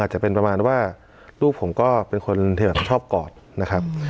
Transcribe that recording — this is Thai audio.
จะเป็นประมาณว่าลูกผมก็เป็นคนชอบกอดนะครับ